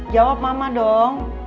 jawab mama dong